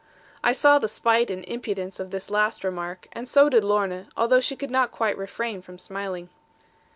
I saw the spite and impudence of this last remark, and so did Lorna, although she could not quite refrain from smiling.